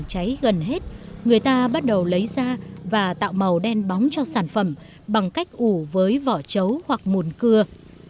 khi lớp củi trên cùng cháy gần hết người ta bắt đầu lấy ra và tạo màu đen bóng cho sản phẩm bằng cách ủ với vỏ chấu hoặc mùn cưa